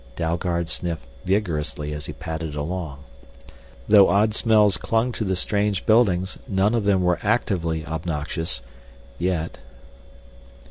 Dalgard sniffed vigorously as he padded along. Though odd smells clung to the strange buildings none of them were actively obnoxious yet.